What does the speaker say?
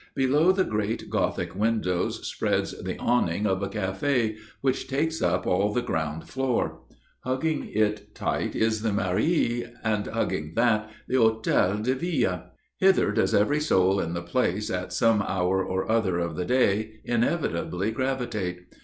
Below the great gothic windows spreads the awning of a café, which takes up all the ground floor. Hugging it tight is the Mairie, and hugging that, the Hôtel de Ville. Hither does every soul in the place, at some hour or other of the day, inevitably gravitate.